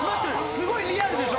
すごいリアルでしょ？